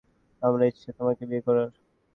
আমার ইচ্ছে তোমাকে বিয়ে করার।